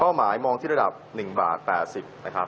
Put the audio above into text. หมายมองที่ระดับ๑บาท๘๐นะครับ